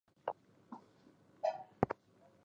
后以郎中身份跟从朱文正镇守南昌。